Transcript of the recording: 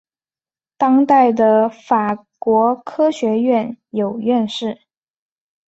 当代的法国科学院有院士。